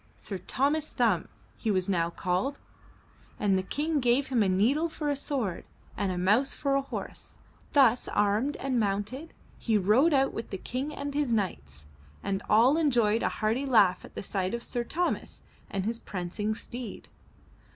Sir Thomas Thumb he was now called, and the King gave him a needle for a sword and a mouse for a horse. Thus armed and mounted, he rode out with the King and his knights, and all en joyed a hearty laugh at sight of Sir Thomas and his prancing steed.